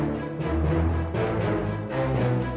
aku mau berjalan